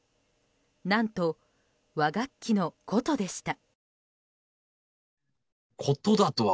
何と、和楽器の琴でした。